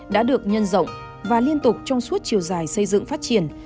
đã được nhân rộng và liên tục trong suốt chiều dài xây dựng phát triển